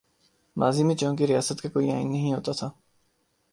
ماضی میں چونکہ ریاست کا کوئی آئین نہیں ہوتا تھا۔